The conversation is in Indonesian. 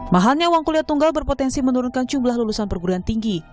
mahalnya uang kuliah tunggal berpotensi menurunkan jumlah lulusan perguruan tinggi